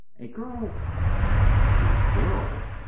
"A girl." "A GIRL!"